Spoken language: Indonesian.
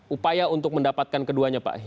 upaya untuk mendapatkan keduanya pak